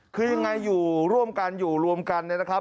คือยังไงร่วมกันอยู่ร่วมกันนะครับ